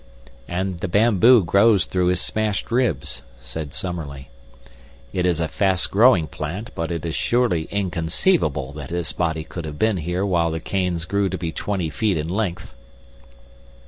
"And the bamboo grows through his smashed ribs," said Summerlee. "It is a fast growing plant, but it is surely inconceivable that this body could have been here while the canes grew to be twenty feet in length."